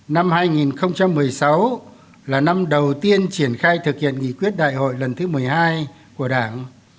năm hai nghìn một mươi sáu là năm đầu tiên triển khai thực hiện nghị quyết đại hội lần thứ một mươi hai của đảng